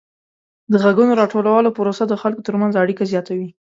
د غږونو راټولولو پروسه د خلکو ترمنځ اړیکه زیاتوي.